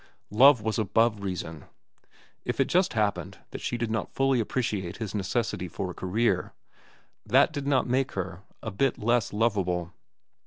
Love was above reason. If it just happened that she did not fully appreciate his necessity for a career, that did not make her a bit less lovable.